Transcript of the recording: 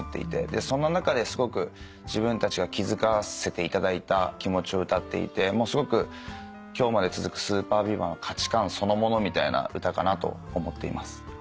そんな中ですごく自分たちが気付かせていただいた気持ちを歌っていてすごく今日まで続くＳＵＰＥＲＢＥＡＶＥＲの価値観そのものみたいな歌かなと思っています。